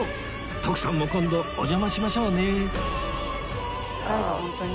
徳さんも今度お邪魔しましょうねなんかホントに。